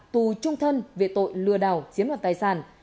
tù trung thân về tội lừa đảo chiếm đoạt tài sản